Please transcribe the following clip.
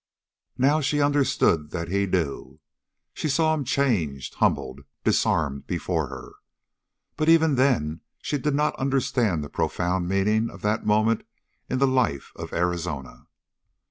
Now she understood that he knew. She saw him changed, humbled, disarmed before her. But even then she did not understand the profound meaning of that moment in the life of Arizona.